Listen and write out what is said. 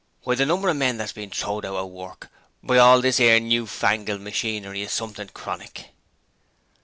Why, the number of men what's been throwed out of work by all this 'ere new fangled machinery is something chronic!'